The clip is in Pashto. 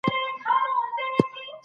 انسان بايد خپل عزت په هر کار کي وساتي.